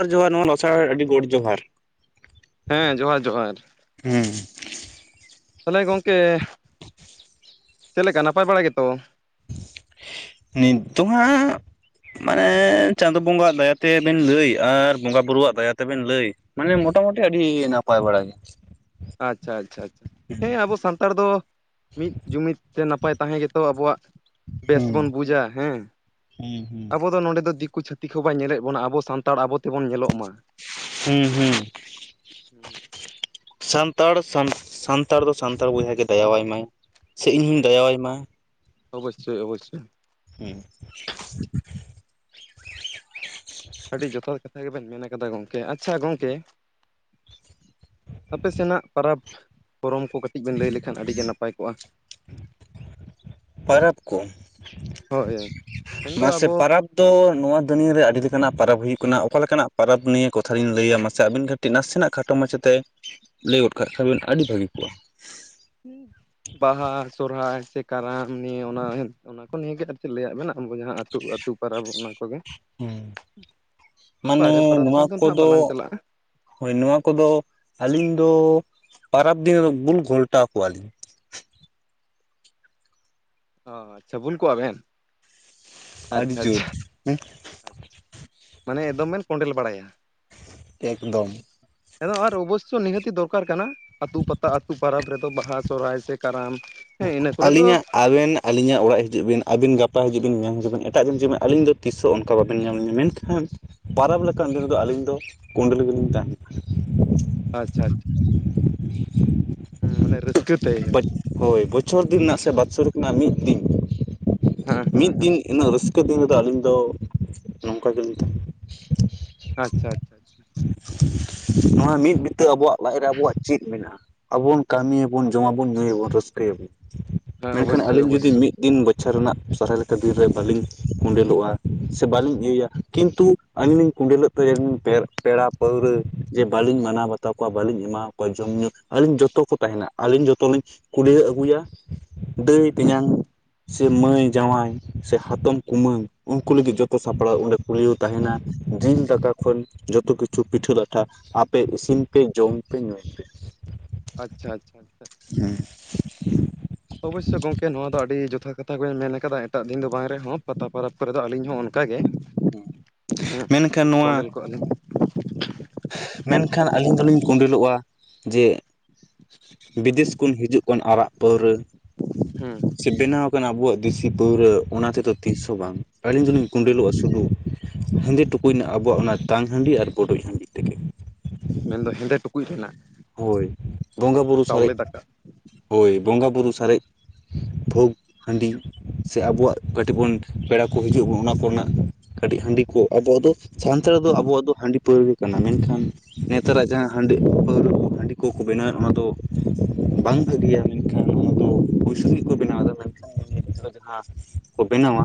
ᱡᱚᱦᱟᱨ ᱡᱚᱦᱟᱨ ᱱᱚᱣᱟ ᱞᱟᱥᱟᱲᱦᱮᱫ ᱟᱹᱰᱤ ᱜᱚᱰ ᱡᱚᱦᱟᱨ ᱦᱮᱸ ᱡᱚᱦᱟᱨ ᱡᱚᱦᱟᱨ ᱦᱩᱸ ᱛᱟᱦᱚᱞᱮ ᱜᱚᱝᱠᱮ ᱪᱮᱫ ᱞᱮᱠᱟ ᱱᱟᱯᱟᱭ ᱵᱟᱲᱟ ᱜᱮᱛᱚ ᱱᱤᱛ ᱫᱚ ᱦᱟᱸᱜ ᱢᱟᱱᱮ ᱪᱟᱸᱫᱳ ᱵᱚᱸᱜᱟ ᱟᱜ ᱫᱟᱭᱟ ᱛᱮ ᱵᱤᱱ ᱞᱟᱹᱭ ᱟᱨ ᱵᱚᱸᱜᱟ ᱵᱩᱨᱩᱣᱟᱜ ᱫᱟᱭᱟ ᱛᱮᱵᱤᱱ ᱞᱟᱹᱭ᱾ ᱢᱟᱱᱮ ᱢᱳᱴᱟᱢᱩᱴᱤ ᱟᱹᱰᱤ ᱱᱟᱯᱟᱭ ᱵᱟᱲᱟ ᱜᱮ᱾ ᱟᱪᱪᱷᱟ ᱟᱪᱪᱷᱟ ᱟᱪᱪᱟ, ᱦᱩᱸ ᱦᱮᱸ ᱟᱵᱚ ᱥᱟᱱᱛᱟᱲ ᱫᱚ ᱢᱤᱫ ᱡᱩᱢᱤᱫ ᱛᱮ ᱱᱟᱯᱟᱭ ᱛᱟᱦᱮᱸ ᱜᱮᱛᱚ ᱟᱵᱚᱣᱟᱜ ᱵᱮᱥ ᱵᱚᱱ ᱵᱩᱡᱟ ᱦᱮᱸ ᱦᱩᱸ ᱦᱩᱸ ᱟᱵᱚ ᱫᱚ ᱱᱚᱸᱰᱮ ᱫᱚ ᱫᱤᱠᱩ ᱪᱷᱟᱹ ᱛᱤᱠ ᱦᱚ ᱵᱟᱭ ᱧᱮᱞᱮᱫ ᱵᱚᱱᱟ ᱟᱵᱚ ᱥᱟᱱᱛᱟᱲ ᱟᱵᱚ ᱛᱮᱵᱚᱱ ᱧᱮᱞᱚᱜ ᱢᱟ᱾ ᱦᱩᱸ ᱦᱩᱸ᱾ ᱥᱟᱱᱛᱟᱲ ᱥᱟᱱ-ᱥᱟᱱᱛᱟᱲ ᱫᱚ ᱥᱟᱱᱛᱟᱲ ᱵᱚᱭᱦᱟ ᱜᱮ ᱫᱟᱭᱟᱣᱟᱭ ᱢᱟᱭ᱾ ᱥᱮ ᱤᱧ ᱦᱚᱸᱧ ᱦᱮᱸ ᱫᱟᱭᱟ ᱟᱭ ᱢᱟ᱾ ᱚᱵᱚᱥᱥᱳᱭ ᱚᱵᱚᱥᱥᱳᱭ᱾ ᱦᱩᱸ᱾ ᱟᱹᱰᱤ ᱡᱚᱛᱷᱟᱛ ᱠᱟᱛᱷᱟ ᱜᱮᱵᱮᱱ ᱢᱮᱱ ᱠᱟᱫᱟ ᱜᱚᱝᱠᱮ, ᱟᱪᱪᱷᱟ ᱜᱚᱝᱠᱮ ᱟᱯᱮ ᱥᱮᱱᱟᱜ ᱯᱟᱨᱟᱵᱽ ᱯᱚᱨᱚᱢ ᱠᱚ ᱠᱟᱹᱴᱤᱡ ᱵᱮᱱ ᱞᱟᱹᱭ ᱞᱮᱠᱷᱟᱱ ᱟᱹᱰᱤᱜᱮ ᱱᱟᱯᱟᱭ ᱠᱚᱜᱼᱟ᱾ [inaudible] ᱯᱟᱨᱟᱵᱽ ᱠᱚ ᱦᱳᱭ ᱢᱮᱱᱫᱚ ᱢᱟᱥᱮ ᱟᱵᱚ ᱯᱟᱨᱟᱵᱽ ᱛᱚ ᱱᱚᱣᱟ ᱫᱩᱱᱤᱭᱟ. ᱨᱮ ᱟᱹᱰᱤ ᱞᱮᱠᱟᱱᱟᱜ ᱯᱟᱨᱟᱵᱽ ᱦᱩᱭᱩᱜ ᱠᱟᱱᱟ, ᱚᱠᱟ ᱞᱮᱠᱟᱱᱟᱜ ᱯᱟᱨᱟᱵᱽ ᱱᱤᱭᱟ ᱠᱚᱛᱷᱟᱞᱤᱧ ᱞᱟᱹᱭᱟ ᱢᱟᱥᱮ ᱟᱵᱤᱱ ᱠᱟ ᱴᱤ ᱱᱟᱥᱮᱱᱟᱜ ᱠᱷᱟᱴᱚ ᱢᱟᱪᱷᱟ ᱛᱮ ᱞᱟᱹᱭ ᱜᱚᱫ ᱠᱟᱜ ᱠᱷᱟᱵᱤᱱ ᱟᱹᱰᱤ ᱵᱷᱟᱹᱜᱤ ᱠᱚᱜᱼᱟ᱾ [inaudible] ᱵᱟᱦᱟ, ᱥᱚᱨᱦᱟᱭ ᱥᱮ ᱠᱟᱨᱟᱢ ᱱᱤᱭᱮ ᱚᱱᱟ ᱚᱱᱟ ᱠᱚ ᱱᱤᱭᱟᱹᱜᱮ ᱟᱨ ᱠᱤ ᱞᱟᱹᱭᱟᱜ ᱵᱮᱱ ᱟᱵᱚ ᱡᱟᱦᱟᱸ ᱟᱹᱛᱩ ᱟ ᱛᱩ ᱯᱟᱨᱟᱵᱽ ᱚᱱᱟ ᱠᱚᱜᱮ ᱢᱟᱱᱮ ᱵᱟᱨᱦᱮ ᱯᱟᱨᱟᱵᱽ ᱱᱚᱣᱟ ᱥᱮᱱ ᱫᱚ ᱱᱟᱸᱜ ᱠᱚᱫᱚ ᱵᱟᱞᱟᱝ ᱪᱟᱞᱟᱜᱼᱟ᱾ ᱦᱳᱭ ᱱᱚᱣᱟ ᱠᱚᱫᱚ ᱟᱹᱞᱤᱧ ᱫᱚ ᱯᱟᱨᱟᱵᱽ ᱫᱤᱱ ᱨᱮᱫᱚ ᱵᱩᱞ ᱜᱷᱚᱞᱴᱟᱣ ᱠᱚᱣᱟᱞᱤᱧ᱾ ᱚ ᱟᱪᱪᱷᱟ ᱵᱩᱞ ᱠᱚᱣᱟ ᱵᱮᱱ? ᱟᱹᱰᱤ ᱟᱪᱪᱷᱟ ᱡᱳᱨ ᱟᱪᱪᱷᱟ ᱦᱮᱸ᱾ ᱢᱟᱱᱮ ᱮᱫᱚᱢ ᱵᱮᱱ ᱠᱚᱸᱰᱮᱞ ᱵᱟᱲᱟᱭᱟ᱾ ᱮᱠᱫᱚᱢ᱾ ᱦᱮᱸ ᱫᱚ ᱟᱨ ᱚᱵᱚᱥᱥᱳ ᱱᱤᱦᱟᱹᱛᱤ ᱫᱚᱨᱠᱟᱨ ᱠᱟᱱᱟ ᱟᱹᱛᱩ ᱯᱟᱛᱟ ᱟᱹᱛᱩ ᱯᱟᱨᱟᱵᱽ ᱨᱮᱫᱚ ᱵᱟᱦᱟ, ᱥᱚᱦᱚᱨᱟᱭ, ᱥᱮ ᱠᱟᱨᱟᱢ᱾ ᱦᱮᱸ ᱤᱱᱟᱹ ᱠᱚᱨᱮ ᱫᱚ ᱟᱹᱞᱤᱧᱟᱜ ᱟᱵᱮᱱ ᱟᱹᱞᱤᱧᱟᱜ ᱚᱲᱟᱜ ᱦᱤᱡᱩᱜ ᱵᱤᱱ ᱟᱵᱤᱱ ᱜᱟ ᱯᱟ ᱦᱤᱡᱩᱜ ᱵᱤᱱ ᱢᱮᱭᱟᱧ ᱦᱤᱡᱩᱜ ᱵᱤᱱ ᱮᱴᱟᱜ ᱫᱤᱱ ᱡᱮᱢᱚᱱ ᱟᱹᱞᱤᱧ ᱫᱚ ᱛᱤᱥ ᱦᱚᱸ ᱚᱱᱠᱟ ᱵᱟᱵᱮᱱ ᱧᱟᱢ ᱞᱤᱧᱟ ᱢᱮᱱᱠᱷᱟᱱ ᱯᱟᱨᱟᱵᱽ ᱞᱮᱠᱟᱱ ᱵᱤᱨ ᱨᱮᱫᱚ ᱟᱹᱞᱤᱧ ᱫᱚ ᱠᱳᱰᱮᱞ ᱜᱮᱞᱤᱧ ᱛᱟᱦᱮᱱᱟ᱾ ᱟᱪᱪᱷᱟ ᱟᱪ᱾ ᱦᱩᱸ ᱢᱟᱱᱮ ᱨᱟᱹᱥᱠᱟᱹ ᱛᱮ᱾ ᱵᱟᱴ ᱦᱳᱭ ᱵᱚᱪᱷᱚᱨ ᱫᱤᱱ ᱨᱮᱱᱟᱜ ᱥᱮ ᱵᱟᱛᱥᱚᱨᱤᱠ ᱨᱮᱱᱟᱜ ᱢᱤᱫ ᱫᱤᱱ ᱦᱮᱸ ᱢᱤᱫ ᱦᱮᱸ ᱫᱤᱱ ᱩᱱᱟᱹᱜ ᱨᱟᱹᱥᱠᱟᱹ ᱫᱤᱱ ᱨᱮᱫᱚ ᱟᱹᱞᱤᱧ ᱫᱚ ᱱᱚᱝᱠᱟ ᱜᱮᱞᱤᱧ ᱛᱟᱸᱦᱮᱱᱟ᱾ ᱟᱪᱪᱷᱟ ᱟᱪᱪᱷᱟ ᱟᱪᱷᱟ᱾ ᱱᱚᱣᱟ ᱢᱤᱫ ᱵᱤᱛᱟᱹ ᱟᱵᱚᱣᱟᱜ ᱞᱟᱡ ᱨᱮ ᱟᱵᱚᱣᱟᱜ ᱪᱮᱫ ᱢᱮᱱᱟᱜᱼᱟ? ᱟᱵᱚᱵᱚᱱ ᱠᱟᱹᱢᱤ ᱟᱵᱚᱱ, ᱡᱚᱢ ᱟᱵᱚᱱ, ᱧᱩᱭ ᱟᱵᱚᱱ, ᱨᱟᱹᱥᱠᱟᱹᱭᱟᱵᱚᱱ ᱦᱮᱸ ᱢᱮᱱᱠᱷᱟᱱ ᱚᱵᱚᱥᱥᱳᱭ ᱟᱞᱤᱧ ᱡᱩᱫᱤ ᱚᱵᱚᱥᱥᱳᱭ ᱢᱤᱫ ᱫᱤᱱ ᱵᱚᱪᱷᱚᱨ ᱨᱮᱱᱟᱜ ᱥᱚᱦᱚᱨᱟᱭ ᱞᱮᱠᱟ ᱫᱤᱱ ᱨᱮ ᱵᱟᱹᱞᱤᱧ ᱠᱚᱸᱰᱮᱞᱚᱜᱼᱟ ᱥᱮ ᱵᱟᱹᱞᱤᱧ ᱤᱭᱟᱹᱭᱟ ᱠᱤᱱᱛᱩ ᱟᱹᱞᱤᱧ ᱞᱤᱧ ᱠᱩᱸᱰᱮᱞᱚᱜ ᱛᱮ ᱯᱮ-ᱯᱮᱲᱟ ᱯᱟᱹᱣᱨᱟᱹ ᱡᱮ ᱵᱟᱹᱞᱤᱧ ᱢᱟᱱᱟᱣ ᱵᱟᱛᱟᱣ ᱠᱚᱣᱟ ᱵᱟᱹᱞᱤᱧ ᱮᱢᱟᱣ ᱠᱚ ᱡᱚᱢᱼᱧᱩ ᱟᱹᱞᱤᱧ ᱡᱚᱛᱚ ᱠᱚ ᱛᱟᱦᱮᱸᱱᱟ ᱟᱹᱞᱤᱧ ᱡᱚᱛᱚᱞᱤᱧ ᱠᱩᱰᱟᱹᱭᱮ ᱟᱹᱜᱩᱭᱟ ᱫᱟᱹᱭ ᱦᱩᱸ ᱦᱩᱸ ᱛᱮᱸᱧᱟᱝ ᱥᱮ ᱢᱟᱹᱭ ᱡᱟᱶᱟᱭ᱾ ᱥᱮ ᱦᱟᱛᱚᱢ ᱦᱩᱸ ᱠᱩᱢᱟᱹᱝ᱾ ᱩᱱᱠᱩ ᱞᱟᱹᱜᱤᱫ ᱡᱚᱛᱚ ᱥᱟᱯᱲᱟᱣ ᱚᱸᱰᱮ ᱯᱩᱭᱞᱩ ᱛᱟᱦᱮᱱᱟ ᱡᱤᱞ ᱫᱟᱠᱟ ᱠᱷᱚᱱ ᱡᱚᱛᱚ ᱠᱤᱪᱷᱩ ᱯᱤᱴᱷᱟᱹ ᱞᱟᱴᱷᱟ ᱟᱯᱮ ᱤᱥᱤᱱ ᱯᱮ ᱡᱚᱢ ᱯᱮ ᱧᱩᱭ ᱯᱮ᱾ ᱟᱪᱪᱷᱟ ᱟᱪᱪᱷᱟ ᱟᱪᱷᱟ᱾ ᱦᱮᱸ᱾ ᱚᱵᱚᱥᱥᱚ ᱜᱚᱝᱠᱮ ᱱᱚᱣᱟ ᱫᱚ ᱟᱹᱰᱤ ᱡᱚᱛᱷᱟᱛ ᱠᱟᱛᱷᱟ ᱵᱤᱱ ᱢᱮᱱ ᱠᱟᱫᱟ ᱮᱴᱟᱜ ᱫᱤᱱ ᱫᱚ ᱵᱟᱝ ᱨᱮᱦᱚᱸ ᱯᱟᱛᱟ ᱯᱚᱨᱚᱵᱽ ᱠᱚᱨᱮ ᱫᱚ ᱟᱹᱞᱤᱧ ᱦᱚᱸ ᱚᱱᱠᱟᱜ ᱜᱮ᱾ ᱦᱮᱸ ᱢᱮᱱᱠᱷᱟᱱ ᱵᱩᱞ ᱱᱚᱣᱟ ᱠᱚᱸᱰᱮᱞ ᱠᱚᱜᱼᱟ ᱞᱤᱧ᱾ ᱢᱮᱱᱠᱷᱟᱱ ᱟᱹᱞᱤᱧ ᱫᱚᱞᱤᱧ ᱠᱩᱸᱰᱮᱞᱚᱜᱼᱟ ᱡᱮ ᱵᱤᱫᱮᱥ ᱠᱷᱚᱱ ᱦᱤᱡᱩᱜ᱾ ᱚᱱ ᱟᱨᱟᱜ ᱯᱟᱹᱣᱨᱟᱹ ᱦᱮᱸ ᱥᱮ ᱵᱮᱱᱟᱣ ᱠᱟᱱᱟ ᱟᱵᱚᱣᱟᱜ ᱫᱤᱥᱤ ᱯᱟᱹᱣᱨᱟᱹ ᱚᱱᱟ ᱛᱮᱫᱚ ᱛᱤᱥ ᱦᱚᱸ ᱵᱟᱝ ᱟᱹᱞᱤᱧ ᱫᱚᱞᱤᱧ ᱦᱩᱸ ᱠᱩᱰᱮᱞᱚᱜᱼᱟ ᱥᱩᱫᱷᱩ ᱦᱮᱸᱫᱮ ᱴᱩᱠᱩᱡᱽᱱᱟ ᱟᱵᱚᱣᱟᱜ ᱚᱱᱟ ᱛᱟᱝ ᱦᱟᱺᱰᱤ ᱟᱨ ᱵᱚᱰᱚᱡ ᱦᱟᱺᱰᱤ ᱛᱮᱜᱮ᱾ ᱢᱮᱱᱫᱚ ᱦᱮᱸᱫᱮ ᱴᱩᱠᱩᱡᱽ ᱩᱭᱦᱼ [unintelligible] ᱦᱳᱭ ᱵᱚᱸᱜᱟ ᱵᱩᱨᱩ ᱥᱟᱨᱮᱡ ᱫᱟᱠᱟ ᱦᱳᱭ ᱵᱚᱸᱜᱟ ᱵᱩᱨᱩ ᱥᱟᱨᱮᱡ ᱵᱷᱳᱜᱽ ᱦᱟᱺᱰᱤ ᱥᱮ ᱟᱵᱚᱣᱟᱜ ᱠᱟᱹᱴᱤᱡ ᱵᱚᱱ ᱯᱮᱲᱟ ᱠᱚ ᱦᱤᱡᱩᱜ ᱵᱚᱱ ᱚᱱᱟ ᱠᱚᱨᱮᱱᱟᱜ ᱠᱟᱹᱴᱤᱡ ᱦᱟᱺᱰᱤ ᱠᱚ ᱟᱫᱚ ᱟᱫᱚ ᱥᱟᱱᱛᱟᱲ ᱫᱚ ᱟᱵᱚᱣᱟᱜ ᱫᱚ ᱦᱟᱺᱰᱤ ᱯᱟᱹᱣᱨᱟᱹ ᱜᱮ ᱠᱟᱱᱟ ᱢᱮᱱᱠᱷᱟᱱ ᱱᱮᱛᱟᱨᱟᱜ ᱡᱟᱦᱟᱸ ᱦᱟᱺᱰᱤ [inaudible] ᱫᱤᱠ ᱠᱚ ᱵᱮᱱᱟᱣᱮᱫ ᱚᱱᱟ ᱫᱚ ᱵᱟᱝ ᱵᱷᱟᱹᱜᱤᱭᱟ ᱢᱮᱱᱠᱷᱟᱱ ᱚᱱᱟ ᱫᱚ ᱯᱩᱭᱥᱟ ᱞᱟᱜᱤᱫ ᱠᱚ ᱵᱮᱱᱟᱣ ᱮᱫᱟ ᱢᱮᱱᱠᱷᱟᱱ [unintelligible] ᱡᱟᱦᱟᱸ ᱠᱚ ᱵᱮᱱᱟᱣᱟ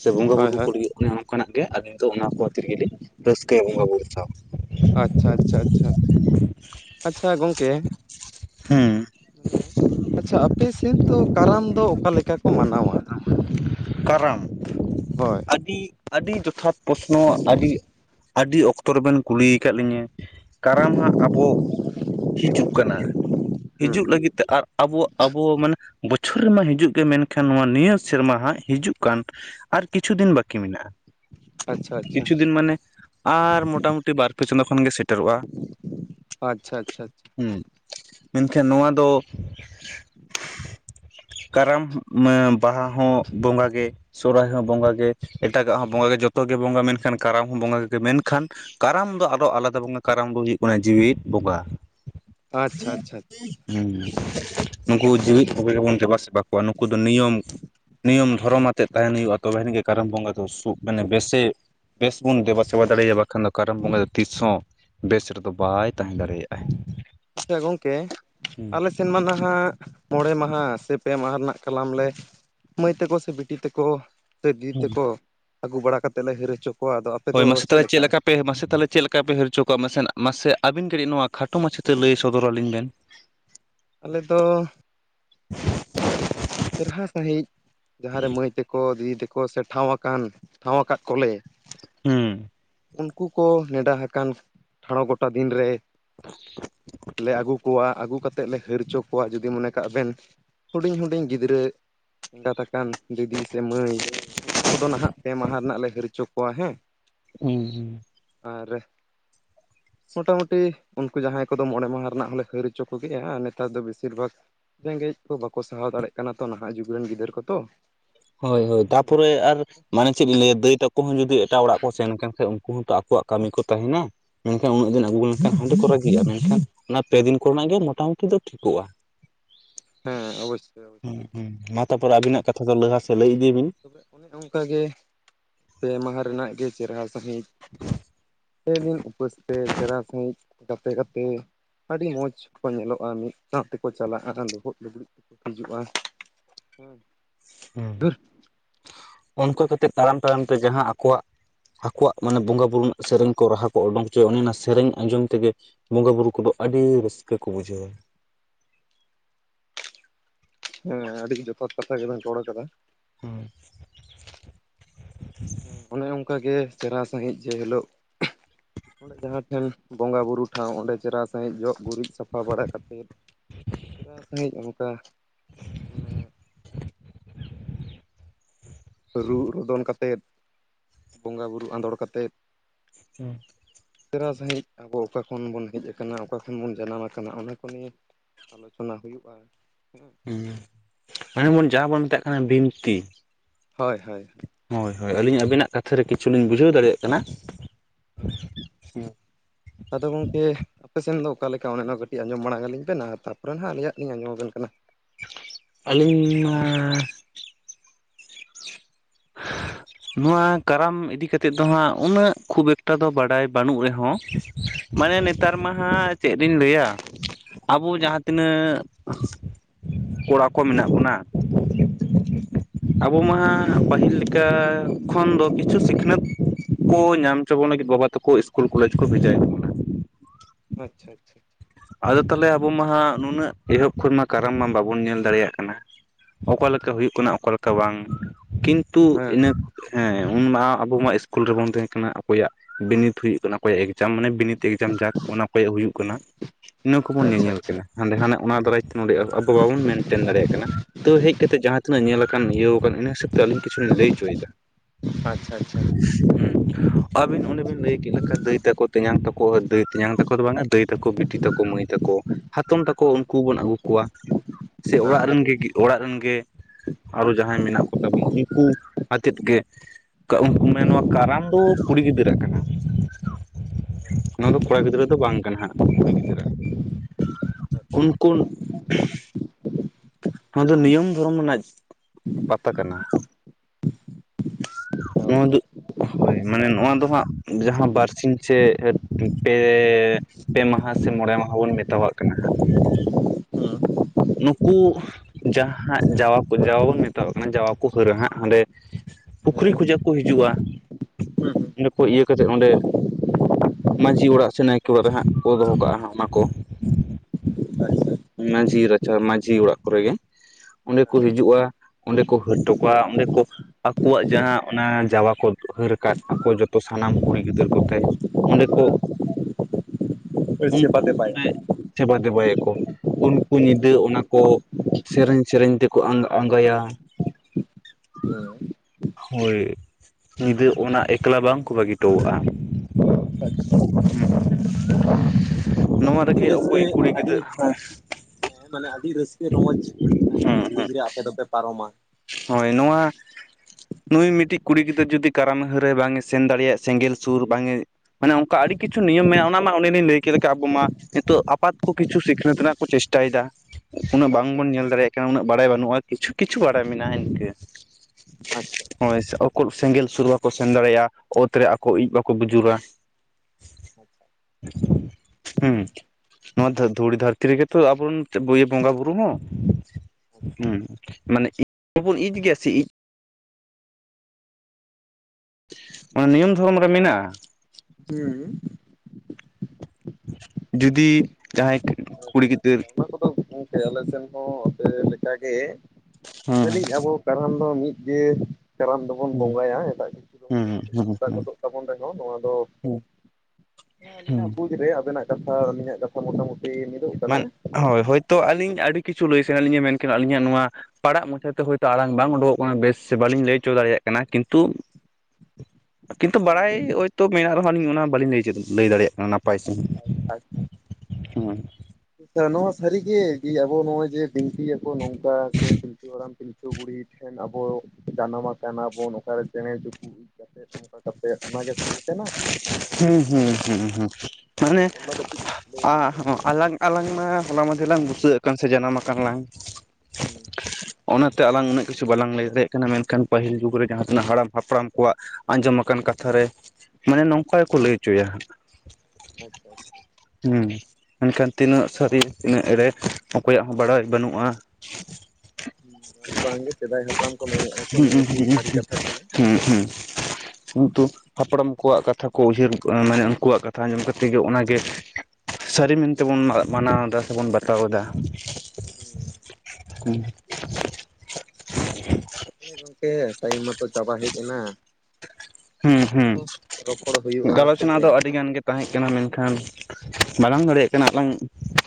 ᱥᱮ ᱵᱚᱸᱜᱟᱼ ᱦᱳᱭ ᱵᱩᱨᱩ ᱦᱳᱭ ᱠᱚ ᱞᱟᱜᱤᱫ ᱚᱱᱮ ᱚᱱᱠᱟᱱᱟᱜ ᱜᱮ ᱟᱹᱞᱤᱧ ᱫᱚ ᱚᱱᱟ ᱠᱚ ᱟᱛᱮᱜ ᱜᱮᱞᱤᱧ ᱨᱟᱹᱥᱠᱟᱹᱭᱟ ᱵᱚᱸᱜᱟ ᱵᱩᱨᱩ ᱥᱟᱶ [inaudible] ᱟᱪᱪᱷᱟ ᱟᱪᱪᱷᱟ ᱟᱪᱪᱷᱟ ᱟᱪᱪᱷᱟ ᱟᱪᱪᱷᱟ ᱜᱚᱝᱠᱮ ᱦᱩᱸ ᱢᱟᱱᱮ ᱟᱪᱪᱷᱟ ᱟᱯᱮ ᱥᱮᱫ ᱫᱚ ᱠᱟᱨᱟᱢ ᱫᱚ ᱚᱠᱟᱮᱠᱟ ᱠᱚ ᱢᱟᱱᱟᱣᱟ? ᱠᱟᱨᱟᱢ ᱦᱳᱭ ᱟᱹᱰᱤ ᱟᱹᱰᱤ ᱡᱚᱛᱷᱟᱛ ᱯᱚᱨᱥᱱᱚ ᱟᱹᱰᱤ ᱟᱹᱰᱤ ᱚᱠᱛᱚ ᱨᱮᱵᱮᱱ ᱠᱩᱞᱤᱭ ᱟᱠᱟᱫ ᱞᱤᱧᱟᱹ ᱠᱟᱨᱟᱢ ᱦᱟᱸᱜ ᱟᱵᱚ ᱦᱤᱡᱩᱜ ᱠᱟᱱᱟ ᱦᱤᱡᱩᱜ ᱦᱩᱸ ᱞᱟᱹᱜᱤᱫ ᱛᱮ ᱟᱨ ᱟᱵᱚ ᱟᱵᱚ ᱢᱟᱱᱮ ᱵᱚᱪᱷᱚᱨ ᱨᱮᱢᱟ ᱦᱤᱡᱩᱜ ᱜᱮ ᱢᱮᱱᱠᱷᱟᱱ ᱱᱚᱣᱟ ᱱᱤᱭᱟᱹ ᱥᱮᱨᱢᱟ ᱦᱟᱸᱜ ᱦᱤᱡᱩᱜ ᱠᱟᱱ ᱟᱨ ᱠᱤᱪᱷᱩ ᱫᱤᱱ ᱵᱟᱹᱠᱤ ᱢᱮᱱᱟᱜᱼᱟ ᱟᱪᱪᱷᱟ ᱟᱪᱪᱷᱟ ᱠᱤᱪᱷᱩ ᱫᱤᱱ ᱢᱟᱱᱮ ᱟᱨ ᱢᱚᱴᱟᱢᱩᱴᱤ ᱵᱟᱨᱯᱮ ᱪᱟᱸᱫᱳ ᱠᱷᱚᱱ ᱜᱮ ᱥᱮᱴᱮᱨᱚᱜᱼᱟ ᱟᱪᱷᱟ ᱟᱪᱪᱷᱟ ᱦᱩᱸ ᱢᱮᱱᱠᱷᱟᱱ ᱦᱩᱸ ᱱᱚᱣᱟ ᱫᱚ [inaudible] ᱠᱟᱨᱟᱢ ᱢᱟ ᱵᱟᱦᱟ ᱦᱚᱸ ᱵᱚᱸᱜᱟ ᱜᱮ ᱥᱚᱦᱨᱟᱭ ᱦᱚᱸ ᱵᱚᱸᱜᱟ ᱜᱮ ᱮᱴᱟᱜᱟᱜ ᱦᱚᱸ ᱵᱚᱸᱜᱟ ᱜᱮ ᱡᱚᱛᱚᱜ ᱜᱮ ᱵᱚᱸᱜᱟ ᱢᱮᱱᱠᱷᱟᱱ ᱠᱟᱨᱟᱢ ᱦᱚᱸ ᱵᱚᱸᱜᱟ ᱜᱮ ᱢᱮᱱᱠᱷᱟᱱ ᱠᱟᱨᱟᱢ ᱫᱚ ᱟᱨᱚ ᱟᱞᱟᱫᱟ ᱵᱟᱸᱜᱟ ᱠᱟᱨᱟᱢ ᱫᱚ ᱦᱩᱭᱩᱜ ᱡᱮᱣᱮᱫ ᱵᱚᱸᱜᱟ ᱟᱪᱪᱷᱟ ᱟᱪᱪᱷᱟ ᱟᱪᱪᱷᱟ ᱦᱸ ᱱᱩᱠᱩ ᱡᱮᱣᱮᱫ ᱱᱩᱠᱩ ᱜᱮᱵᱚᱱ ᱫᱮᱵᱟ ᱥᱮᱵᱟ ᱠᱚᱣᱟ ᱱᱩᱠᱩ ᱫᱚ ᱱᱤᱭᱚᱢ ᱱᱤᱭᱚᱢ ᱫᱷᱚᱨᱚᱢᱟᱛᱼ ᱛᱮᱫ ᱛᱟᱦᱮᱱ ᱦᱩᱭᱩᱜᱼᱟ ᱛᱚᱵᱮᱣᱟᱱᱤᱡ ᱜᱮ ᱠᱟᱨᱟᱢ ᱵᱚᱸᱜᱟ ᱫᱚ ᱥᱩ ᱢᱟᱱᱮ ᱵᱮᱥᱮ ᱵᱮᱥ ᱵᱚᱱ ᱫᱮᱵᱟᱥᱮᱵᱟ ᱫᱟᱲᱮᱭᱟ ᱵᱟᱠᱷᱟᱱ ᱫᱚ ᱠᱟᱨᱟᱢ ᱵᱚᱸᱜᱟ ᱫᱚ ᱛᱤᱥᱦᱚᱸ ᱵᱮᱥ ᱨᱮᱫᱚ ᱵᱟᱭ ᱛᱟᱦᱮᱸ ᱫᱟᱲᱮᱭᱟᱜᱼᱟᱭ ᱟᱪᱪᱷᱟ ᱜᱚᱢᱠᱮ ᱦᱩᱸ ᱟᱞᱮ ᱥᱮᱱ ᱢᱟ ᱱᱟᱦᱟᱜ ᱢᱚᱬᱮ ᱢᱟᱦᱟ ᱥᱮ ᱯᱮ ᱢᱟᱦᱟ ᱨᱮᱱᱟᱜ ᱠᱟᱞᱟᱢ ᱞᱮ ᱢᱟᱹᱭ ᱛᱟᱠᱚ ᱥᱮ ᱵᱤᱴᱤ ᱛᱟᱠᱚ ᱥᱮ ᱫᱤᱫᱤ ᱦᱮᱸ ᱛᱟᱠᱚ ᱟᱹᱜᱩ ᱵᱟᱲᱟ ᱠᱟᱛᱮᱫ ᱞᱮ ᱦᱟᱹᱨ ᱦᱚᱪᱚ ᱠᱚᱣᱟ ᱟᱫᱚ ᱦᱳᱭ ᱢᱟᱥᱮ ᱛᱟᱵᱮ ᱪᱮᱫ ᱞᱮᱠᱟ ᱟᱯᱮ ᱢᱟᱥᱮ ᱛᱟᱦᱚᱞᱮ ᱪᱮᱫ ᱞᱮᱠᱟ ᱯᱮ ᱦᱟᱹᱨ ᱦᱚᱪᱚ ᱠᱚᱣᱟ ᱢᱟᱥᱮᱱᱜ ᱢᱟᱥᱮ ᱟᱹᱵᱤᱱ [unintelligible] ᱱᱚᱣᱟ ᱠᱷᱟᱴᱚ ᱢᱟᱪᱷᱟᱛᱮ ᱞᱟᱹᱭ ᱥᱚᱫᱚᱨ ᱟᱹᱞᱤᱧ ᱵᱮᱱ ᱟᱞᱮ ᱫᱚ ᱢᱟᱱᱮ ᱪᱮᱨᱦᱟ ᱥᱟᱺᱦᱤᱡ ᱡᱟᱦᱟᱸᱨᱮ ᱢᱟᱹᱭ ᱛᱮ ᱠᱚ ᱫᱤᱫᱤ ᱛᱟᱠᱚ ᱥᱮ ᱴᱷᱟᱶᱠᱟᱱ ᱴᱷᱟᱶ ᱟᱠᱟᱫ ᱠᱚᱞᱮᱭ ᱦᱮᱸ ᱩᱱᱠᱩ ᱠᱚ ᱱᱮᱰᱟ ᱟᱠᱟᱱ ᱴᱷᱟᱲᱚ ᱜᱚᱴᱟ ᱫᱤᱱ ᱨᱮ ᱞᱮ ᱟᱹᱜᱩ ᱠᱚᱣᱟ ᱟᱹᱜᱩ ᱠᱟᱛᱮ ᱛᱮᱫ ᱞᱮ ᱦᱟᱹᱨ ᱦᱚᱪᱚ ᱠᱚᱣᱟ ᱡᱩᱫᱤ ᱢᱚᱱᱮ ᱠᱟᱜ ᱵᱮᱱ ᱦᱩᱰᱤᱧ ᱦᱩᱰᱤᱧ ᱜᱤᱫᱽᱨᱟᱹ ᱮᱸᱜᱟᱛ ᱟᱠᱟᱱ ᱫᱤᱫᱤ ᱥᱮ ᱢᱟᱹᱭ ᱩᱱᱠᱩ ᱠᱚᱫᱚ ᱱᱟᱦᱟᱜ ᱯᱮ ᱢᱟᱦᱟ ᱨᱮᱱᱟᱜ ᱞᱮ ᱦᱟᱹᱨ ᱦᱚᱪᱚ ᱠᱚᱣᱟ ᱦᱮᱸ ᱦᱩᱸ ᱦᱩᱸ ᱟᱨ... ᱢᱚᱴᱟᱢᱩᱴᱤ ᱩᱱᱠᱩ ᱡᱟᱦᱟᱸᱭ ᱠᱚᱫᱚ ᱢᱚᱬᱮ ᱢᱟᱦᱟ ᱨᱮᱱᱟᱜ ᱦᱚᱸ ᱞᱮ ᱦᱟᱹᱨ ᱦᱚᱪᱚ ᱠᱚ ᱜᱮᱭᱟ ᱟᱨ ᱱᱮᱛᱟᱨ ᱫᱚ ᱵᱮᱥᱤᱨ ᱵᱷᱟᱜᱽ ᱨᱮᱸᱜᱮᱡ ᱠᱚ ᱵᱟᱠᱚ ᱥᱟᱦᱟᱣ ᱫᱟᱲᱮᱭᱟᱜ ᱠᱟᱱᱟ ᱛᱚ ᱱᱟᱦᱟᱜ ᱡᱩᱜᱽ ᱨᱮᱱ ᱜᱤᱫᱽᱟᱹᱨ ᱠᱚ ᱛᱚ ᱦᱳᱭ ᱦᱳᱭ ᱛᱟᱨᱯᱚᱨᱮ ᱟᱨ ᱢᱟᱱᱮ ᱪᱮᱫ ᱤᱧ ᱞᱟᱹᱭᱟ ᱫᱟᱹᱭ ᱛᱟᱠᱚ ᱦᱚ ᱡᱩᱫᱤ ᱮᱴᱟᱜ ᱚᱲᱟᱜ ᱠᱚ ᱥᱮᱱ ᱠᱟᱱᱟᱱ ᱠᱷᱟᱡ ᱩᱱᱠᱩ ᱦᱚᱸᱛᱚ ᱟᱠᱚᱣᱟᱜ ᱠᱟᱹᱢᱤ ᱠᱚ ᱛᱟᱦᱮᱱᱟ ᱢᱮᱱᱠᱷᱟᱱ ᱩᱱᱟᱹᱜ ᱫᱤᱱ ᱟᱹᱜᱩ ᱞᱮᱱᱠᱷᱟᱱ ᱦᱟᱸᱰᱮ ᱠᱚ ᱨᱟᱹᱜᱤᱜᱼᱟ ᱢᱮᱱᱠᱷᱟᱱ ᱚᱱᱟ ᱯᱮ ᱫᱤᱱ ᱠᱚᱨᱮᱱᱟᱜ ᱜᱮ ᱢᱚᱴᱟᱢᱩᱴᱤ ᱫᱚ ᱴᱷᱤᱠᱚᱜᱼᱟ ᱾ [inaudible] ᱚᱵᱚᱥᱥᱳᱭ [unintelligible] ᱦᱩᱸ ᱚᱵᱚᱥᱥᱳᱭ ᱦᱩᱸ ᱢᱟ ᱛᱟᱯᱚᱨᱮ ᱟᱵᱤᱱᱟᱜ ᱠᱟᱛᱷᱟ ᱫᱚ ᱞᱟᱦᱟ ᱥᱮᱫ ᱞᱟᱹᱭ ᱤᱫᱤ ᱵᱤᱱ ᱛᱚᱵᱮ ᱚᱱᱮ ᱚᱱᱠᱟ ᱜᱤ ᱯᱮ ᱢᱟᱦᱟ ᱨᱮᱱᱟᱜ ᱜᱮ ᱪᱮᱨᱦᱟ ᱥᱟᱹᱦᱤᱡ ᱯᱮ ᱫᱤᱱ ᱩᱯᱟᱹᱥ ᱛᱮ ᱪᱮᱨᱦᱟ ᱥᱟᱹᱦᱤᱡ ᱜᱟᱛᱮ ᱜᱟᱛᱮ ᱟᱹᱰᱤ ᱢᱚᱡᱽ ᱠᱚ ᱧᱮᱞᱚᱜᱼᱟ ᱾ ᱢᱤᱫ ᱫᱟᱜ ᱛᱮᱠᱚ ᱪᱟᱞᱟᱜᱼᱟ ᱞᱩᱜᱚᱜ ᱞᱩᱜᱽᱲᱤᱡ ᱛᱮᱠᱚ ᱦᱤᱡᱩᱜᱼᱟ ᱾ ᱦᱮᱸ ᱦᱮᱸ ᱫᱷᱩᱨ ᱚᱱᱠᱟ ᱠᱟᱛᱮ ᱛᱟᱲᱟᱢ ᱛᱟᱲᱟᱢ ᱛᱮ ᱡᱟᱦᱟᱸ ᱟᱠᱚᱣᱟᱜ ᱟᱠᱚᱣᱟᱜ ᱢᱟᱱᱮ ᱵᱚᱸᱜᱟᱼ ᱵᱩᱨᱩ ᱨᱮᱱᱟᱜ ᱥᱮᱨᱮᱧ ᱠᱚ ᱨᱟᱦᱟ ᱠᱚ ᱚᱰᱳᱠ ᱦᱚᱪᱚᱭᱟ ᱚᱱᱮ ᱚᱱᱟ ᱥᱮᱨᱮᱧ ᱟᱸᱡᱚᱢ ᱛᱮᱜᱮ ᱵᱚᱸᱜᱟ ᱵᱩᱨᱩ ᱠᱚᱫᱚ ᱟᱹᱰᱤ ᱨᱟᱹᱥᱠᱟᱹ ᱠᱚ ᱵᱩᱡᱷᱟᱹᱣᱟ ᱾ ᱦᱮᱸ ᱟᱹᱰᱤ ᱡᱚᱛᱷᱟᱛ ᱠᱟᱛᱷᱟ ᱜᱮ ᱵᱮᱱ ᱨᱚᱲ ᱟᱠᱟᱫᱟ ᱦᱮᱸ ᱚᱱᱮ ᱚᱱᱠᱟᱜᱮ ᱪᱮᱨᱦᱟ ᱥᱟᱺᱦᱤᱡ ᱡᱮ ᱦᱤᱞᱚᱜ ᱡᱟᱦᱟᱸ ᱴᱷᱮᱱ ᱵᱚᱸᱜᱟ ᱵᱩᱨᱩ ᱴᱷᱟᱶ ᱚᱸᱰᱮ ᱪᱮᱨᱦᱟ ᱥᱟᱺᱦᱤᱡ ᱡᱚᱜ ᱜᱩᱨᱤᱡ ᱥᱟᱯᱷᱟ ᱵᱟᱲᱟ ᱠᱟᱛᱮᱫ ᱪᱮᱨᱦᱟ ᱥᱟᱺᱦᱤᱡ ᱚᱱᱠᱟ ᱨᱩ ᱨᱚᱫᱚᱱ ᱠᱟᱛᱮᱫ ᱵᱚᱸᱜᱟᱼᱵᱩᱨᱩ ᱟᱸᱫᱳᱲ ᱠᱟᱛᱮᱫ ᱦᱩ ᱪᱮᱨᱦᱟ ᱥᱟᱺᱦᱤᱡ ᱟᱵᱚ ᱚᱠᱟ ᱠᱷᱚᱱ ᱵᱚᱱ ᱦᱮᱡ ᱟᱠᱟᱱᱟ ᱚᱠᱟ ᱠᱷᱚᱱ ᱵᱚᱱ ᱡᱟᱱᱟᱢ ᱟᱠᱟᱱᱟ ᱚᱱᱟ ᱠᱚ ᱱᱤᱭᱮ ᱟᱞᱳᱪᱚᱱᱟ ᱦᱩᱭᱩᱜᱼᱟ ᱦᱮᱸ ᱦᱩᱸ.., ᱦᱮᱸ ᱢᱚᱱ ᱡᱟᱦᱟᱸ ᱵᱚᱱ ᱢᱮᱛᱟᱜ ᱠᱟᱱᱟ ᱵᱤᱱᱛᱤ ᱦᱳᱭ ᱦᱳᱭ ᱦᱳᱭ ᱦᱳᱭ ᱟᱹᱞᱤᱧ ᱟᱵᱤᱱᱟᱜ ᱠᱟᱛᱷᱟ ᱨᱮ ᱠᱤᱪᱷᱩ ᱞᱤᱧ ᱵᱩᱡᱷᱟᱹᱣ ᱫᱟᱲᱮᱭᱟᱜ ᱠᱟᱱᱟ ᱾ ᱦᱮᱸ [unintelligible] ᱦᱩᱸ... ᱟᱫᱚ ᱜᱚᱢᱠᱮ ᱟᱯᱮ ᱥᱮᱱ ᱫᱚ ᱚᱠᱟ ᱞᱮᱠᱟ ᱚᱱᱮ ᱚᱱᱟ ᱠᱟᱹᱴᱤᱡ ᱟᱡᱚᱢ ᱢᱟᱲᱟᱝ ᱟᱹᱞᱤᱧ ᱵᱮᱱ ᱟᱨ ᱛᱟᱯᱚᱨᱮ ᱱᱟᱦᱟᱜ ᱟᱞᱤᱟᱜ ᱞᱤᱧ ᱟᱡᱚᱢ ᱟᱵᱮᱱ ᱠᱟᱱᱟ ᱾ [unintelligible] ᱟᱹᱞᱤᱧ ᱢᱟ [inaudible] [unintelligible] ᱱᱚᱶᱟ ᱠᱟᱨᱟᱢ ᱤᱫᱤ ᱠᱟᱛᱮᱜ ᱫᱚ ᱦᱟᱸᱜ ᱩᱱᱟᱹᱜ ᱠᱷᱩᱵ ᱮᱠᱛᱟ ᱫᱚ ᱵᱟᱰᱟᱭ ᱵᱟᱹᱱᱩᱜ ᱨᱮᱦᱚᱸ [unintelligible] ᱢᱟᱱᱮ ᱱᱮᱛᱟᱨ ᱢᱟ ᱦᱟᱸᱜ ᱪᱮᱫ ᱵᱤᱱ ᱞᱟᱹᱭᱟ ᱦ [inaudible] ᱟᱵᱚ ᱡᱟᱦᱟᱸ ᱛᱤᱱᱟᱹᱜ ᱠᱚᱲᱟ ᱠᱚ ᱢᱮᱱᱟᱜ ᱵᱚᱱᱟ ᱟᱵᱚ ᱢᱟ ᱯᱟᱹᱦᱤᱞ ᱞᱮᱠᱟ ᱠᱷᱚᱱ ᱫᱚ ᱠᱤᱪᱷᱩ ᱥᱤᱠᱷᱱᱟᱹᱛ ᱠᱚ ᱧᱟᱢ ᱚᱪᱚ ᱵᱚᱱ ᱞᱟᱹᱜᱤᱫ ᱵᱟᱵᱟ ᱛᱟᱠᱚ ᱤᱥᱠᱩᱞ ᱠᱚᱞᱮᱡᱽ ᱠᱚ ᱵᱷᱮᱡᱟᱭᱮᱫ ᱵᱚᱱᱟ ᱾ ᱟᱪᱪᱷᱟ ᱟᱪᱪᱷᱟ ᱟᱫᱚ ᱛᱟᱦᱚᱞᱮ ᱟᱵᱚ ᱢᱟ ᱱᱩᱱᱟᱹᱜ ᱮᱦᱚᱵ ᱠᱷᱚᱱ ᱢᱟ ᱠᱟᱨᱚᱱ ᱢᱟ ᱵᱟᱵᱚᱱ ᱧᱮᱞ ᱫᱟᱲᱮᱭᱟᱜ ᱠᱟᱱᱟ ᱾ ᱚᱠᱟ ᱞᱮᱠᱟ ᱦᱩᱭᱩᱜ ᱠᱟᱱᱟ ᱚᱠᱟᱮ ᱞᱮᱠᱟ ᱵᱟᱝ ᱠᱤᱱᱛᱩ ᱦᱮᱸ ᱤᱱᱟᱹᱯ ᱦᱮᱸ ᱩᱱ ᱢᱟ ᱟᱵᱚ ᱢᱟ ᱤᱥᱠᱩᱞ ᱨᱮ ᱵᱚᱱ ᱛᱟᱦᱮᱸ ᱠᱟᱱᱟ ᱚᱠᱚᱭᱟᱜ ᱵᱤᱱᱤᱰ ᱦᱩᱭᱩᱜ ᱠᱟᱱᱟ ᱚᱠᱚᱭᱟᱜ ᱮᱠᱡᱟᱢ ᱢᱟᱱᱮ ᱵᱤᱱᱤᱰ ᱮᱠᱡᱟᱢ ᱡᱟᱠ ᱚᱱᱟ ᱠᱚ ᱦᱩᱭᱩᱜ ᱠᱟᱱᱟ ᱾ ᱤᱱᱟ ᱠᱚ ᱟᱪᱪᱷᱟ ᱵᱚᱱ ᱟᱪᱪᱷᱟ ᱧᱮᱧᱮᱞ ᱟᱪᱪᱷᱟ ᱠᱟᱱᱟ ᱾ ᱦᱟᱱᱰᱮ ᱦᱟᱱᱮ ᱚᱱᱟ ᱫᱟᱨᱟᱭ ᱛᱮ ᱱᱚᱰᱮ ᱟᱵᱚ ᱵᱟᱵᱚᱱ ᱢᱮᱱᱴᱮᱱ ᱫᱟᱲᱮᱭᱟᱜ ᱠᱟᱱᱟ ᱛᱚ ᱦᱮᱡ ᱠᱟᱛᱮ ᱡᱟᱦᱟᱸ ᱛᱤᱱᱟᱹᱜ ᱧᱮᱞ ᱟᱠᱟᱱ ᱤᱭᱟᱹᱣ ᱟᱠᱟᱱ ᱤᱱᱟ ᱦᱤᱥᱟᱹᱵ ᱛᱮ ᱛᱮ ᱟᱹᱞᱤᱧ ᱠᱪᱷᱩ ᱞᱤᱧ ᱞᱟᱹᱭ ᱚᱪᱚᱭᱮᱫᱟ ᱟᱪᱪᱷᱟ ᱟᱪᱪᱷᱟ ᱟᱹᱵᱤᱱ ᱚᱱᱮ ᱵᱤᱱ ᱞᱟᱹᱭ ᱠᱮᱫ ᱞᱮᱠᱟ ᱫᱟᱹᱭ ᱛᱟᱠᱚ ᱛᱮᱧᱟᱝ ᱛᱟᱠᱚ ᱫᱟᱹᱭᱼᱛᱤᱧᱟᱝ ᱛᱟᱠᱚ ᱫᱚ ᱵᱟᱝ-ᱟ ᱫᱟᱹᱭ ᱛᱟᱠᱚ ᱵᱤᱴᱤ ᱛᱟᱠᱚ ᱢᱟᱹᱭ ᱛᱟᱠᱚ ᱦᱟᱛᱚᱢ ᱛᱟᱠᱚ ᱦᱮᱸ ᱩᱱᱠᱩ ᱵᱚᱱ ᱟᱹᱜᱩ ᱠᱚᱣᱟ ᱥᱮ ᱚᱲᱟᱜ ᱨᱮᱱ ᱜᱮ ᱜ.... ᱚᱲᱟᱜ ᱨᱮᱱ ᱜᱮ ᱟᱨᱚ ᱡᱟᱦᱟᱸᱭ ᱢᱮᱱᱟᱜ ᱠᱚᱛᱟᱵᱚᱱ ᱩᱱᱠᱩ ᱟᱛᱮᱫ ᱜᱮ ᱱᱚᱣᱟ ᱠᱟᱨᱟᱢ ᱫᱚ ᱠᱩᱲᱤ ᱜᱤᱫᱽᱨᱟᱹᱟᱜ ᱠᱟᱱᱟ ᱾ ᱚᱱᱟ ᱫᱚ ᱠᱚᱲᱟ ᱜᱤᱫᱽᱨᱟᱹ ᱫᱚ ᱵᱟᱝ ᱠᱟᱱᱟ ᱦᱟᱸᱜ ᱩᱱᱠᱩ ᱱᱚᱣᱟ ᱫᱚ ᱱᱤᱭᱚᱢ ᱫᱷᱚᱨᱚᱢ ᱨᱮᱱᱟᱜ ᱯᱟᱛᱟ ᱠᱟᱱᱟ ᱾ ᱱᱚᱣᱟ ᱫᱚ ᱦᱳᱭ ᱢᱟᱱᱮ ᱱᱚᱣᱟ ᱫᱚ ᱦᱟᱸᱜ ᱡᱟᱦᱟᱸ ᱵᱟᱨᱥᱤ ᱥᱮ ᱯᱮ ᱯᱮ ᱢᱟᱦᱟ ᱥᱮ ᱢᱚᱸᱬᱮ ᱢᱟᱦᱟ ᱵᱚᱱ ᱢᱮᱛᱟᱣᱟᱜ ᱠᱟᱱᱟ ᱦᱟᱸᱜ ᱦᱩᱸ ᱱᱩᱠᱩ ᱡᱟᱦᱟᱜ ᱡᱟᱣᱟ ᱠᱚ ᱡᱟᱣᱟ ᱵᱚᱱ ᱢᱮᱛᱟᱣᱟᱜ ᱠᱟᱱᱟ ᱡᱟᱣᱟ ᱠᱚ ᱦᱟᱹᱨ ᱦᱟᱸᱜ ᱦᱟᱸᱰᱮ ᱯᱩᱠᱷᱨᱤ ᱠᱷᱩᱡᱟᱹᱜ ᱠᱩ ᱦᱤᱡᱩᱜᱼᱟ ᱚᱸᱰᱮ ᱠᱚ ᱤᱭᱟᱹ ᱠᱟᱛᱮ ᱚᱸᱰᱮ ᱢᱟᱡᱷᱤ ᱚᱲᱟᱜ ᱥᱮ ᱱᱟᱭᱠᱮ ᱚᱲᱟᱜ ᱨᱮ ᱦᱟᱸᱜ ᱠᱚ ᱫᱚᱦᱚ ᱠᱟᱜᱼᱟ ᱚᱱᱟ ᱠᱚ ᱟᱪᱪᱷᱟ ᱢᱟᱹᱡᱷᱤ ᱨᱟᱪᱟ ᱢᱟᱹᱡᱷᱤ ᱚᱲᱟᱜ ᱠᱚᱨᱮ ᱜᱮ ᱚᱸᱰᱮ ᱠᱚ ᱦᱤᱡᱩᱜᱼᱟ ᱚᱸᱰᱮ ᱠᱚ ᱦᱟᱹᱨ ᱴᱚᱠᱟᱣᱟ ᱚᱸᱰᱮ ᱠᱚ ᱟᱠᱚᱣᱟᱜ ᱡᱟᱦᱟᱸ ᱚᱱᱟ ᱡᱟᱣᱟ ᱠᱚ ᱦᱟᱹᱨ ᱠᱟᱫ ᱟᱠᱚ ᱡᱚᱛᱚ ᱥᱟᱱᱟᱢ ᱠᱩᱲᱤ ᱜᱤᱫᱽᱨᱟᱹ ᱠᱚᱛᱮ ᱚᱸᱰᱮ ᱠᱚ ᱩᱱᱠᱩ ᱯᱟᱛᱮ ᱯᱟᱭᱟ ᱚᱸᱰᱮ ᱥᱮᱵᱟ ᱫᱮᱵᱟᱭᱮᱫ ᱠᱚ ᱩᱱᱠᱩ ᱧᱤᱫᱟᱹ ᱚᱱᱟ ᱠᱚ ᱥᱮᱨᱮᱧ ᱥᱮᱨᱮᱧ ᱛᱮᱠᱚ ᱟᱸᱟᱸᱜᱟᱭᱟ ᱫᱚᱢᱮ [unintelligible] ᱦᱳᱭ ᱧᱤᱫᱟᱹ ᱚᱱᱟ ᱮᱠᱞᱟ ᱵᱟᱝᱠᱚ ᱵᱟᱹᱜᱤ ᱦᱚᱴᱚᱣᱟᱜᱼᱟ ᱟᱪᱪᱷᱟ ᱟᱪᱪᱷᱟ ᱱᱚᱣᱟ ᱟᱹᱰᱤ ᱨᱮᱜᱮ ᱨᱟᱹᱥᱠᱟᱹ ᱟᱠᱚᱭᱤᱡ ᱠᱩᱲᱤ ᱟᱹᱰᱤ ᱜᱤᱫᱟᱹᱨ ᱦᱚᱸ ᱦᱮᱸ ᱢᱟᱱᱮ ᱟᱹᱰᱤ ᱨᱟᱹᱥᱠᱟᱹ ᱨᱚᱢᱚᱡᱽ ᱢᱟᱱᱮ ᱦᱮᱸ ᱟᱹᱞᱤᱧᱟᱜ ᱵᱩᱡ ᱦᱮᱸ ᱨᱮ ᱟᱯᱮ ᱫᱚᱯᱮ ᱯᱟᱨᱚᱢᱟ ᱦᱳᱭ ᱱᱚᱣᱟ ᱱᱩᱭ ᱢᱤᱫᱴᱤᱡ ᱠᱩᱲᱤ ᱜᱤᱫᱟᱹᱨ ᱡᱩᱫᱤ ᱠᱟᱨᱟᱢ ᱮ ᱦᱟᱹᱨ ᱨᱮ ᱵᱟᱝ ᱮ ᱥᱮᱱ ᱫᱟᱲᱮᱭᱟᱜ ᱥᱮᱸᱜᱮᱞ ᱥᱩᱨ ᱵᱟᱝ ᱮ ᱢᱟᱱᱮ ᱚᱱᱠᱟ ᱟᱹᱰᱤ ᱠᱤᱪᱷᱩ ᱱᱤᱭᱚᱢ ᱢᱮᱱᱟᱜᱼᱟ ᱚᱱᱟ ᱢᱟ ᱚᱱᱮ ᱞᱤᱧ ᱞᱟᱹᱭ ᱠᱮᱫ ᱞᱮᱠᱟ ᱟᱵᱚ ᱢᱟ ᱱᱤᱛᱚᱜ ᱟᱯᱟᱛ ᱠᱚ ᱠᱤᱪᱷᱩ ᱥᱤᱠᱷᱱᱟᱹᱛ ᱨᱮᱱᱟᱜ ᱠᱚ ᱪᱮᱥᱴᱟᱭᱫᱟ ᱩᱱᱟᱹᱜ ᱟᱪᱪᱷᱟ ᱵᱟᱝᱵᱚᱱ ᱧᱮᱞ ᱫᱟᱲᱮᱭᱟᱜ ᱠᱟᱱᱟ ᱩᱱᱟᱹᱜ ᱵᱟᱲᱟᱭ ᱵᱟᱹᱱᱩᱜᱼᱟ ᱠᱤᱪᱷᱩ ᱠᱤᱪᱷᱩ ᱵᱟᱲᱟᱭ ᱢᱮᱱᱟᱜᱼᱟ ᱤᱱᱠᱟᱹ ᱟᱪᱪᱷᱟ ᱦᱳᱭ ᱚᱠᱩᱫ ᱥᱮᱸᱜᱮᱞ ᱥᱩᱨ ᱵᱟᱠᱚ ᱥᱮᱱ ᱫᱟᱲᱮᱭᱟᱜᱼᱟ ᱚᱛ ᱨᱮ ᱟᱠᱚ ᱤᱡ ᱵᱟᱠᱚ ᱵᱩᱡᱩᱨᱟ ᱟᱪᱪᱷᱟ ᱦᱩᱸ ᱱᱚᱣᱟ ᱫᱷᱚ ᱫᱷᱩᱲᱤ ᱫᱷᱟᱹᱨᱛᱤ ᱨᱮᱜᱮ ᱛᱚ ᱟᱵᱚ ᱨᱮᱱ ᱵᱚᱸᱜᱟ ᱵᱩᱨᱩ ᱦᱚᱸ ᱦᱩᱸ ᱢᱟᱱᱮ... [unintelligible] ᱤᱫᱤ ᱜᱮᱭᱟ ᱥᱤ ᱤᱡ ᱢᱟᱱᱮ ᱱᱤᱭᱚᱢ ᱫᱷᱚᱨᱚᱢ ᱨᱮ ᱢᱮᱱᱟᱜᱼᱟ ᱦᱩᱸ ᱡᱩᱫᱤ ᱡᱟᱦᱟᱭᱤᱡ ᱠᱩᱲᱤ ᱟᱪᱪᱷᱟ ᱜᱤᱫᱟᱹᱨ ᱟᱪᱪᱷᱟ ᱚᱱᱟ ᱠᱚᱫᱚ ᱜᱚᱝᱠᱮ ᱟᱞᱮ ᱥᱮᱱ ᱦᱚᱸ ᱟᱯᱮ ᱞᱮᱠᱟᱜᱮ ᱦᱮᱸ ᱡᱟᱹᱱᱤᱡ ᱟᱵᱚ ᱠᱟᱨᱚᱱ ᱫᱚ ᱢᱤᱫᱜᱮ ᱠᱟᱨᱟᱢ ᱫᱚᱵᱚᱱ ᱦᱩᱸ ᱵᱚᱸᱜᱟᱭᱟ ᱮᱴᱟᱜ ᱠᱤᱪᱷᱩ ᱫᱚ ᱦᱩᱸ ᱠᱟᱹᱴᱤᱡ ᱦᱩᱸ ᱟᱞᱟᱫᱟ ᱦᱩᱸ ᱜᱚᱫᱚᱜ ᱛᱟᱵᱚᱱ ᱨᱮᱦᱚᱸ ᱱᱚᱣᱟ ᱫᱚ ᱦᱩᱸ ᱦᱮ ᱟᱹᱞᱤᱧᱟᱜ ᱦᱩᱸ ᱵᱩᱡ ᱨᱮ ᱟᱵᱮᱱᱟᱜ ᱠᱟᱛᱷᱟ ᱟᱹᱞᱤᱧᱟᱜ ᱠᱟᱛᱷᱟ ᱢᱚᱴᱟᱢᱩᱴᱤ ᱢᱤᱫᱚᱜ ᱠᱟᱱᱟ ᱢᱟᱱ ᱦᱳᱭ ᱦᱳᱭᱛᱳ ᱟᱹᱞᱤᱧ ᱟᱹᱰᱤ ᱠᱤᱪᱷᱩ ᱞᱟᱹᱭ ᱥᱟᱱᱟᱭᱮᱫ ᱞᱤᱧᱟ ᱢᱮᱱᱠᱷᱟᱱ ᱟᱹᱞᱤᱧᱟᱜ ᱱᱚᱣᱟ ᱯᱟᱲᱟᱜ ᱢᱪᱷᱟᱛᱮ ᱦᱚᱭᱛᱚ ᱟᱲᱟᱝ ᱵᱟᱝ ᱩᱰᱩᱠᱚᱜ ᱠᱟᱱᱟ ᱵᱮᱥ ᱥᱮ ᱵᱟᱞᱤᱧ ᱞᱟᱹᱭ ᱦᱚᱪᱚ ᱫᱟᱲᱮᱭᱟᱜ ᱠᱟᱱᱟ᱾ ᱠᱤᱱᱛᱩ ᱠᱤᱱᱛᱩ ᱦᱩᱸ ᱵᱟᱲᱟᱭ ᱦᱩᱸ ᱦᱳᱭᱛᱳ ᱢᱮᱱᱟᱜ ᱨᱮᱦᱚᱸ ᱟᱹᱞᱤᱧ ᱚᱱᱟ ᱵᱟᱹᱞᱤᱧ ᱞᱟᱹᱭ ᱞᱟᱹᱭ ᱫᱟᱲᱮᱭᱟᱜ ᱠᱟᱱᱟ ᱱᱟᱯᱟᱭ ᱥᱟᱦᱤᱡ ᱟᱪᱪᱷᱟ ᱟᱪᱪᱷᱟ ᱦᱩᱸ ᱟᱪᱪᱷᱟ ᱱᱚᱣᱟ ᱥᱟᱹᱨᱤᱜᱮ ᱡᱮ ᱟᱵᱚ ᱱᱚᱜᱼᱚᱭ ᱡᱮ ᱵᱤᱱᱛᱤᱭᱟᱠᱚ ᱱᱚᱝᱠᱟ ᱥᱮ ᱯᱤᱞᱪᱩ ᱦᱟᱲᱟᱢ ᱯᱤᱞ ᱪᱩ ᱵᱩᱲᱦᱤ ᱴᱷᱮᱱ ᱟᱵᱚ ᱡᱟᱱᱟᱢ ᱟᱠᱟᱱᱟ ᱵᱚᱱ ᱚᱠᱟᱨᱮ ᱪᱮᱸᱬᱮᱸ ᱪᱩᱯᱩᱬ ᱤᱡ ᱠᱟᱛᱮ ᱠᱟᱛᱷᱟᱛᱮ ᱚᱱᱟᱜᱮ ᱥᱟᱹᱨᱤ ᱠᱟᱱᱟ? ᱦᱩᱸ ᱦᱩᱸ ᱦᱩᱸ ᱦᱩᱸ ᱦᱮᱸ ᱢᱟᱱᱮ ᱚᱱᱟ ᱠᱟᱹᱴᱤᱡ ᱞᱟᱹᱭ ᱟ ᱟᱹᱞᱤᱧ ᱵᱮᱱ᱾ ᱟᱞᱟᱝ ᱟᱞᱟᱝ ᱢᱟ ᱦᱚᱞᱟ ᱢᱟᱫᱮᱨᱞᱟᱝ ᱵᱩᱥᱟᱹᱜ ᱟᱠᱟᱱ ᱥᱮ ᱡᱟᱱᱟᱢ ᱟᱠᱟᱱ ᱞᱟᱝ᱾ ᱦᱩᱸ ᱚᱱᱟᱛᱮ ᱟᱞᱟᱝ ᱩᱱᱟᱹᱜ ᱠᱤᱪᱷᱩ ᱵᱟᱞᱟᱝ ᱞᱟᱹᱭ ᱫᱟᱲᱮᱭᱟᱜ ᱠᱟᱱᱟ, ᱢᱮᱱᱠᱷᱟᱱ ᱯᱟᱹᱦᱤᱞ ᱡᱩᱜᱽ ᱨᱮ ᱡᱟᱦᱟᱛᱤᱱᱟᱹᱜ ᱦᱟᱲᱟᱢ ᱦᱟᱯᱲᱟᱢ ᱠᱚᱣᱟᱜ ᱟᱸᱡᱚᱢ ᱟᱠᱟᱱ ᱠᱟᱛᱷᱟᱮ ᱢᱟᱱᱮ ᱱᱚᱝᱠᱟ ᱜᱮᱠᱚ ᱞᱟᱹᱭ ᱦᱚᱪᱚᱭᱟ ᱦᱟᱸᱜ᱾ ᱟᱪᱪᱷᱟ ᱟᱪᱷᱟᱷᱟ ᱦᱩᱸ ᱢᱮᱱᱠᱷᱟᱱ ᱛᱤᱱᱟᱹᱜ ᱥᱟᱹᱨᱤ ᱛᱤᱱᱟᱹᱜ ᱮᱲᱮ ᱚᱠᱚᱭᱼᱟᱜ ᱦᱚᱸ ᱵᱟᱲᱟᱭ ᱵᱟᱹᱱᱩᱜᱼᱟ᱾ ᱦᱮᱸ ᱟᱫᱚ ᱵᱟᱝᱜᱮ ᱥᱮᱫᱟᱭ ᱦᱟᱯᱲᱟᱢ ᱠᱚ ᱢᱮᱱᱮᱜᱼᱟ ᱠᱚ ᱱᱤᱦᱟᱹᱛ ᱥᱟᱹᱨᱤ ᱠᱟᱛᱷᱟ ᱠᱟᱱᱟ᱾ ᱦᱩᱸ ᱦᱩᱸ ᱠᱤᱱᱛᱩ ᱟᱯᱲᱟᱢ ᱠᱚᱣᱟᱜ ᱠᱟᱛᱷᱟ ᱠᱚ ᱩᱭᱦᱟᱹᱨ ᱢᱟᱱᱮ ᱩᱱᱠᱩᱣᱟᱜ ᱠᱟᱛᱷᱟ ᱟᱸᱡᱚᱢ ᱠᱟᱛᱮ ᱜᱮ ᱚᱱᱟᱜᱮ ᱥᱟᱹᱨᱤᱱ ᱢᱮᱱᱛᱮ ᱵᱚᱱ ᱢᱟᱱᱟᱣᱫᱟ ᱥᱮᱵᱚᱱ ᱵᱟᱛᱟᱣᱫᱟ᱾ ᱦᱩᱸ ᱦᱩᱸ ᱛᱟᱞᱦᱮ ᱜᱚᱢᱠᱮ ᱴᱟᱭᱤᱢ ᱢᱟᱛᱚ ᱪᱟᱵᱟ ᱦᱮᱡ ᱮᱱᱟ᱾ ᱟᱪᱪᱷᱟ ᱦᱩᱸ ᱟᱨᱮᱦᱚᱸ ᱨᱚᱯᱚᱲ ᱦᱩᱭᱩᱜᱼᱟ ᱥᱮ ᱜᱟᱞᱚᱪᱱᱟ ᱫᱚ ᱪᱮᱜ? ᱟᱹᱰᱤ ᱜᱟᱱ ᱜᱮ ᱛᱟᱦᱮᱸ ᱠᱟᱱᱟ ᱢᱮᱱᱠᱷᱟᱱ ᱵᱟᱞᱟᱝ ᱫᱟᱲᱮᱭᱟᱜ ᱠᱟᱱᱟ ᱞᱟᱝ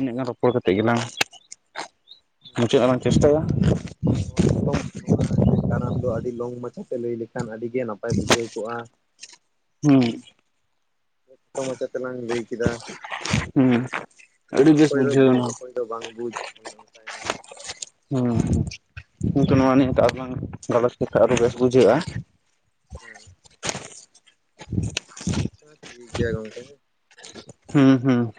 ᱩᱱᱟᱹᱜ ᱜᱟᱱ ᱨᱚᱯᱚᱲ ᱠᱟᱛᱮᱜ ᱜᱮᱞᱟᱝ ᱢᱩᱪᱟᱹᱫ ᱞᱟᱝ ᱪᱮᱥᱴᱟᱭᱟ ᱮᱠᱷᱟᱱ ᱱᱚᱣᱟ ᱥᱟᱛᱟᱢ ᱱᱚᱣᱟ ᱡᱮ ᱠᱟᱨᱟᱢ ᱫᱚ ᱟᱹᱰᱤ ᱞᱚᱝ ᱢᱟᱪᱷᱟᱛᱮ ᱞᱟᱹᱭ ᱞᱮᱠᱷᱟᱱ ᱟᱹᱰᱤ ᱜᱮ ᱱᱟᱯᱟᱭ ᱵᱩᱡᱷᱟᱹᱣ ᱠᱚᱜᱼᱟ᱾ ᱦᱩᱸ ᱠᱷᱟᱴᱚ ᱢᱟᱪᱷᱟ ᱛᱮᱞᱟᱝ ᱞᱟᱹᱭ ᱠᱮᱫᱟ ᱦᱩᱸ ᱟᱹᱰᱤ ᱵᱮᱥ ᱚᱠᱚᱭ ᱫᱚ ᱵᱩᱡᱽ ᱵᱩᱡᱷᱟᱹᱣᱱᱟ ᱚᱠᱚᱭ ᱫᱚ ᱵᱟᱝ ᱵᱩᱡᱽ ᱚᱱᱮ ᱚᱝᱠᱟᱭᱱᱟ᱾ ᱦᱩᱸ ᱠᱤᱱᱛᱩ ᱱᱚᱣᱟ ᱱᱤᱭᱟᱹ ᱛᱮ ᱟᱨᱦᱚᱸᱢ ᱞᱟᱝ ᱜᱟᱞᱚᱪ ᱞᱮᱠᱷᱟᱡ ᱟᱨᱚ ᱵᱮᱥ ᱵᱩᱡᱷᱟᱹᱜᱼᱟ᱾ ᱦᱮᱸ ᱟᱪᱪᱷᱟ ᱴᱷᱤᱠ ᱜᱮᱭᱟ ᱜᱚᱝᱠᱮ ᱦᱮᱸ᱾ ᱦᱩᱸ ᱦᱩᱸ